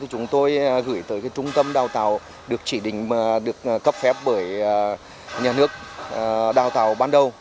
chúng tôi gửi tới trung tâm đào tạo được chỉ định được cấp phép bởi nhà nước đào tạo ban đầu